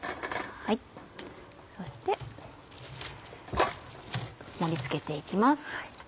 そして盛り付けて行きます。